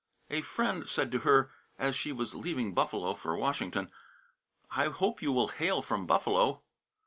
A friend said to her as she was leaving Buffalo for Washington: "I hope you will hail from Buffalo."